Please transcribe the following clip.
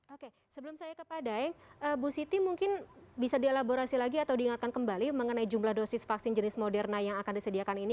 oke sebelum saya ke pak daeng bu siti mungkin bisa dielaborasi lagi atau diingatkan kembali mengenai jumlah dosis vaksin jenis moderna yang akan disediakan ini